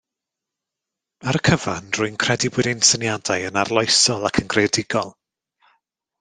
Ar y cyfan rwy'n credu bod ein syniadau yn arloesol ac yn greadigol